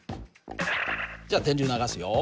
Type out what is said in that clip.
じゃあ電流流すよ。